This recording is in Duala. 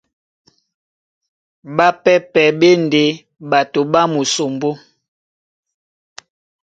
Ɓápɛ́pɛ̄ ɓá e ndé ɓato ɓá musombó.